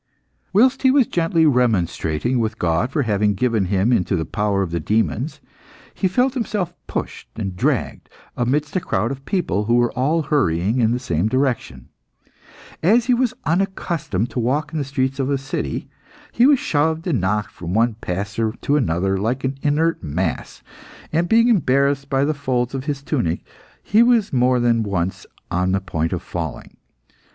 Whilst he was gently remonstrating with God for having given him into the power of the demons, he felt himself pushed and dragged amidst a crowd of people who were all hurrying in the same direction. As he was unaccustomed to walk in the streets of a city, he was shoved and knocked from one passer to another like an inert mass; and being embarrassed by the folds of his tunic, he was more than once on the point of falling.